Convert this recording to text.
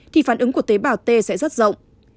thì phản ứng của tế bào t sẽ rất rộng